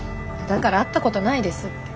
だから会ったことないですって。